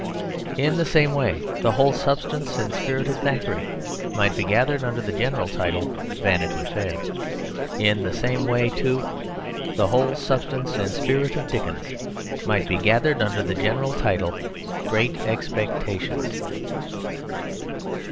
In the same way the whole substance and spirit of Thackeray might be gathered under the general title Vanity Fair. In the same way too the whole substance and spirit of Dickens might be gathered under the general title Great Expectations.